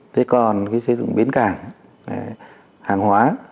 với sử dụng biến cảng hàng hóa